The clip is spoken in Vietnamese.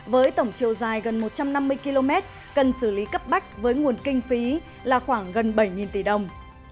với tổng chiều dài gần một trăm năm mươi km cần xử lý cấp bách với nguồn kinh phí là khoảng gần bảy tỷ đồng